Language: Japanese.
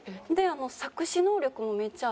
作詞能力もめっちゃあって。